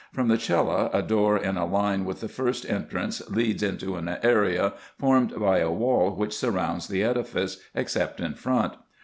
From the cella a door in a fine with the first entrance leads into an area, formed by a wall which surrounds the edifice, except in front.